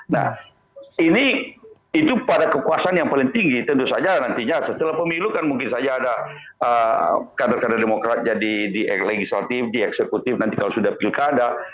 nah ini itu pada kekuasaan yang paling tinggi tentu saja nantinya setelah pemilu kan mungkin saja ada kader kader demokrat jadi di legislatif di eksekutif nanti kalau sudah pilkada